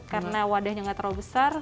karena wadahnya gak terlalu besar